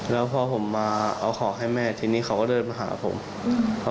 แล้วพอผมมาเอาของให้แม่ทีนี้เขาก็เดินมาหาผมครับ